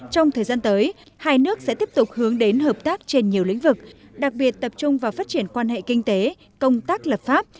trong thời gian tới hai nước sẽ tiếp tục hướng đến hợp tác trên nhiều lĩnh vực đặc biệt tập trung vào phát triển quan hệ kinh tế công tác lập pháp